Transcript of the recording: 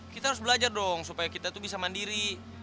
kita harus belajar dong supaya kita tuh bisa mandiri